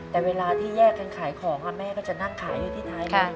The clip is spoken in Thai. แต่เวลาที่แยกกันขายของแม่ก็จะนั่งขายอยู่ที่ท้ายงาน